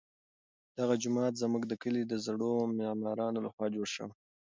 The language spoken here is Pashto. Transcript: دغه جومات زموږ د کلي د زړو معمارانو لخوا جوړ شوی.